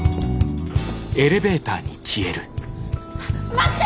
待って！